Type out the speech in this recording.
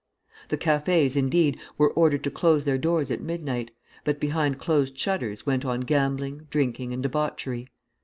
The cafés, indeed, were ordered to close their doors at midnight, but behind closed shutters went on gambling, drinking, and debauchery.